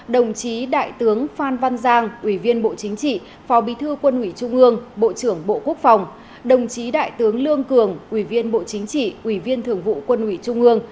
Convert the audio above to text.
đồng chí đại tướng phan văn giang ủy viên bộ chính trị phó bí thư quân ủy trung ương bộ trưởng bộ quốc phòng đồng chí đại tướng lương cường ủy viên bộ chính trị ủy viên thường vụ quân ủy trung ương